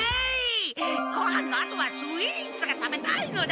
ごはんのあとはスイーツが食べたいのだ！